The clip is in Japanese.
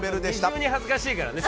更に恥ずかしいからね。